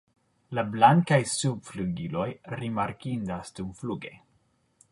La blankaj subflugiloj rimarkindas dumfluge.